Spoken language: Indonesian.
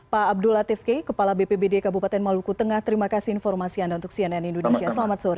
pak abdul latif k kepala bpbd kabupaten maluku tengah terima kasih informasi anda untuk cnn indonesia selamat sore